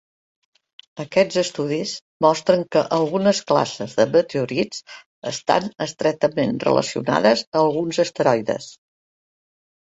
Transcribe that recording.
Aquests estudis mostren que algunes classes de meteorits estan estretament relacionades a alguns asteroides.